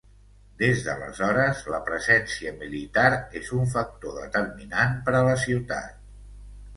Des d'aleshores la presència militar és un factor determinant per a la ciutat.